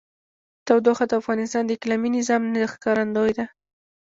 تودوخه د افغانستان د اقلیمي نظام ښکارندوی ده.